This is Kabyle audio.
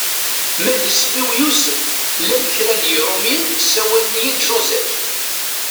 Ma d isem-iw Yusef llan kra n Yirumyen sawalen-iyi-d Joseph.